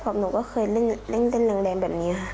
กับหนูก็เคยเล่นเล่นแรงแรงแบบนี้ค่ะ